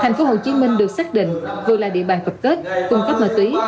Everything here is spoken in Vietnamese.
tp hcm được xác định vừa là địa bàn phập kết cung cấp ma túy